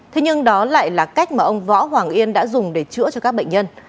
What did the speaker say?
thế nhưng đó lại là cách mà ông võ hoàng yên đã dùng để chữa cho các bệnh nhân